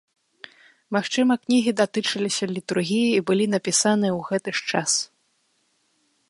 Магчыма, кнігі датычыліся літургіі і былі напісаны ў гэты ж час.